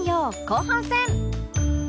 後半戦